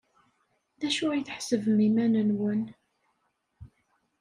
D acu ay tḥesbem iman-nwen?